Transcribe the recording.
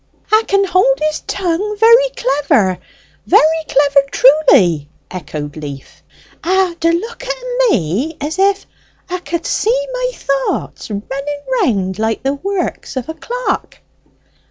"'A can hold his tongue very clever very clever truly," echoed Leaf. "'A do look at me as if 'a could see my thoughts running round like the works of a clock."